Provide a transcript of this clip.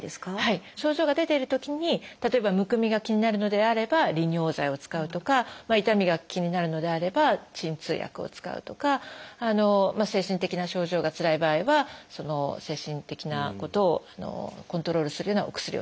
症状が出ているときに例えばむくみが気になるのであれば利尿剤を使うとか痛みが気になるのであれば鎮痛薬を使うとか精神的な症状がつらい場合は精神的なことをコントロールするようなお薬を使う。